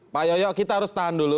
pak yoyo kita harus tahan dulu